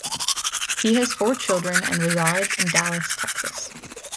He has four children and resides in Dallas, Texas.